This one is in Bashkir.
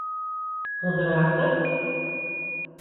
Ҡыҙрасов?